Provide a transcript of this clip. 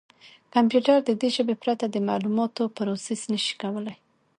کمپیوټر د دې ژبې پرته د معلوماتو پروسس نه شي کولای.